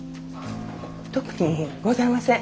特にございません。